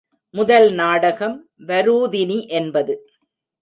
முதல் நாடகம் வரூதினி என்பது.